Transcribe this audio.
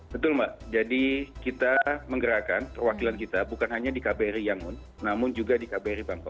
betul mbak jadi kita menggerakkan perwakilan kita bukan hanya di kbri yangon namun juga di kbri bangko